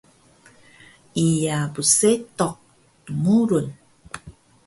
Iya psetuq dmurun